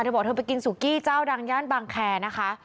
เธอบอกเธอไปกินสุกี้เจ้าดังย่านบางแคร์นะคะ